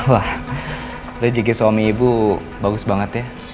wah rezeki suami ibu bagus banget ya